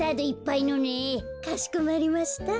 かしこまりました。